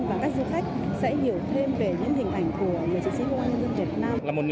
và các du khách sẽ hiểu thêm về những hình ảnh của những chiến sĩ công an nhân dân việt nam